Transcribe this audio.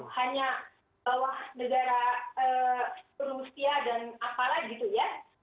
hanya bawah negara rusia dan apalah gitu ya